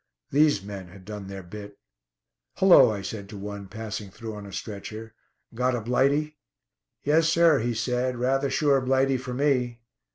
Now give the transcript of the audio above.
These men had done their bit. "Hullo," I said to one passing through on a stretcher, "got a 'blighty'?" "Yes, sir," he said; "rather sure Blighty for me."